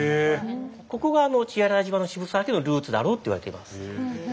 ここが血洗島の渋沢家のルーツだろうっていわれています。